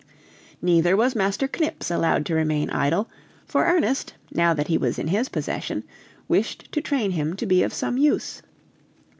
Neither was Master Knips allowed to remain idle, for Ernest, now that he was in his possession, wished to train him to be of some use.